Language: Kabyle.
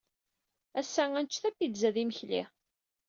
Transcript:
Ass-a ad nečč tapizza d imekli.